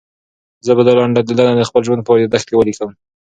زه به دا لنډه لیدنه د خپل ژوند په یادښت کې ولیکم.